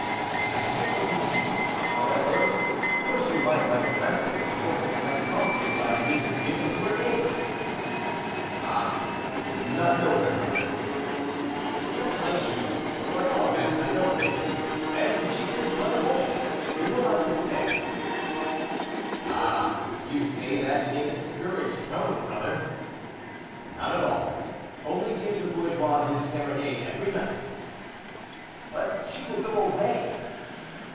"The idea was ingenious, however, for she might, like the rest of the people, have profited by the music given to her neighbor." "Ah! you do not know her, brother." "Yes, I do; or at all events I know women, and as she is but a woman, we will not despair." "Ah! you say that in a discouraged tone, brother." "Not at all; only give the bourgeois his serenade every night." "But she will go away."